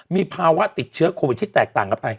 มีภาวะติดเชื้อโควิดที่แตกต่างกันไป